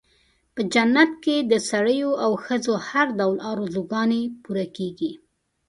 په جنت کې د سړیو او ښځو هر ډول آرزوګانې پوره کېږي.